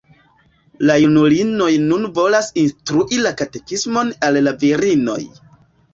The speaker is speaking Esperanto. La junulinoj nun volas instrui la katekismon al la virinoj.